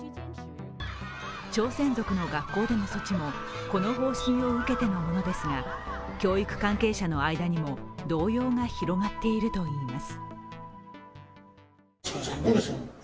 朝鮮族の学校での措置もこの方針を受けてのものですが教育関係者の間にも動揺が広がっているといいます。